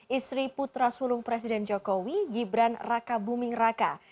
istri putra sulung presiden jokowi gibran raka buming raka